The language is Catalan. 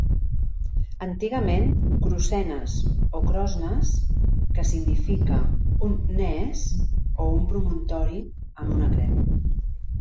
Antigament Crossenes o Crosnes que significa un "ness" o un promontori amb una creu.